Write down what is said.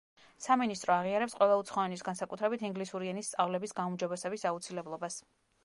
სამინისტრო აღიარებს ყველა უცხო ენის, განსაკუთრებით ინგლისური ენის სწავლების გაუმჯობესების აუცილებლობას.